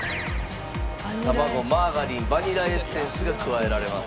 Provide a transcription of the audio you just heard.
卵マーガリンバニラエッセンスが加えられます。